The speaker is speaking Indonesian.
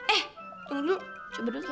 eh tunggu dulu coba dulu ya